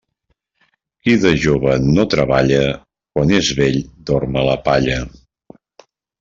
Qui de jove no treballa, quan és vell dorm a la palla.